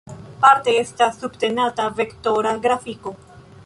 Parte estas subtenata vektora grafiko.